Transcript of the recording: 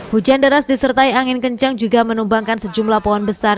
hujan deras disertai angin kencang juga menumbangkan sejumlah pohon besar